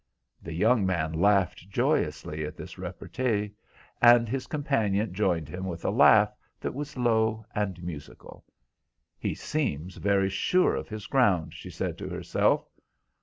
The young man laughed joyously at this repartee, and his companion joined him with a laugh that was low and musical. "He seems very sure of his ground," she said to herself.